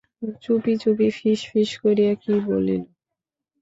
চুপি চুপি ফিস ফিস করিয়া কি বলিল।